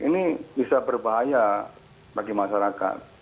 ini bisa berbahaya bagi masyarakat